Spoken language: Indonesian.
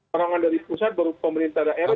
orang orang dari pusat pemerintah daerah